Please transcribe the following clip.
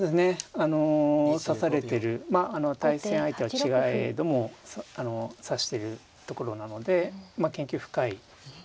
あの指されてる対戦相手は違えども指してるところなので研究深いかなとは思いますね。